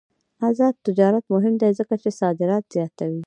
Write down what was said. آزاد تجارت مهم دی ځکه چې صادرات زیاتوي.